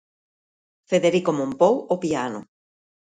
Federico Mompou ao piano.